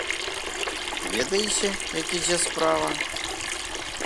Ведаеце, як ідзе справа?